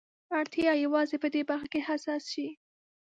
اړتيا يوازې په دې برخه کې حساس شي.